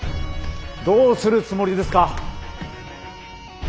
どうするつもりですか！？